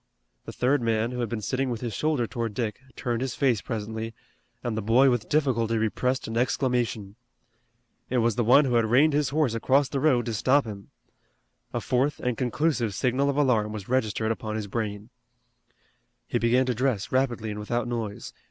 The third man, who had been sitting with his shoulder toward Dick, turned his face presently, and the boy with difficulty repressed an exclamation. It was the one who had reined his horse across the road to stop him. A fourth and conclusive signal of alarm was registered upon his brain. He began to dress rapidly and without noise.